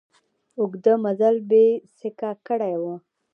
اوږده مزل بېسېکه کړی و.